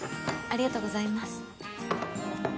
ありがとうございます。